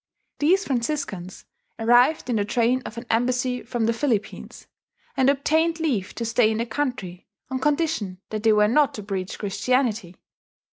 These Franciscans arrived in the train of an embassy from the Philippines, and obtained leave to stay in the country on condition that they were not to preach Christianity.